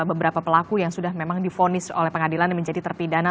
beberapa pelaku yang sudah memang difonis oleh pengadilan dan menjadi terpidana